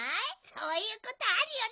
そういうことあるよね。